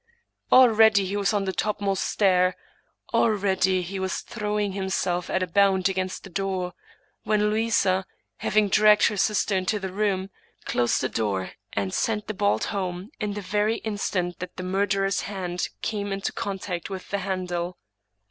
Al ready he was on the topmost stair ; already he was throwing, himself at a bound against the door, when Louisa, havingf dragged her sister into the room, closed the door and sent the bolt home in the very instant that the murderer's hand came into contact with the handle.